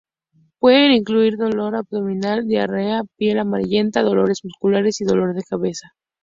Pueden incluir dolor abdominal, diarrea, piel amarillenta, dolores musculares y dolor de cabeza.